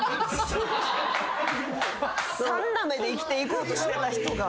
３なめで生きていこうとしてた人が。